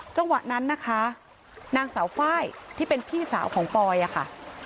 จังหวะนั้นนะคะนางสาวไฟล์ที่เป็นพี่สาวของปอยค่ะ